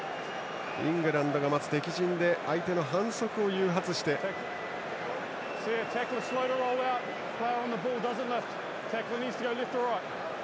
イングランドがまず敵陣で相手の反則を誘発しました。